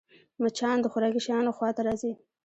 مچان د خوراکي شيانو خوا ته راځي